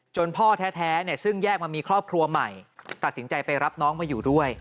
พ่อแท้ซึ่งแยกมามีครอบครัวใหม่ตัดสินใจไปรับน้องมาอยู่ด้วย